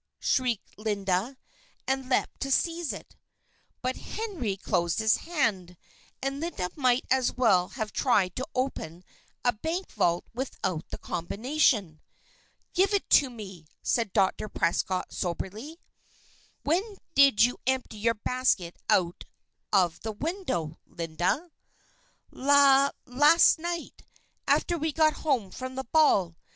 shrieked Linda, and leaped to seize it. But Henry closed his hand, and Linda might as well have tried to open a bank vault without the combination. "Give it to me," said Dr. Prescott, soberly. "When did you empty your basket out of the window, Linda?" "La last night after we got home from the ball.